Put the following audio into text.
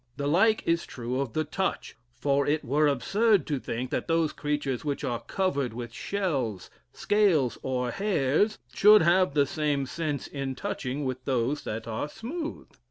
The like is true of the touch, for it were absurd to think that those creatures which are covered with shells, scales, or hairs, should have the same sense in touching with those that are smooth.